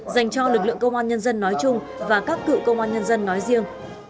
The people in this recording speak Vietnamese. dành cho lực lượng công an nhân dân nói chung và các cựu công an nhân dân nói riêng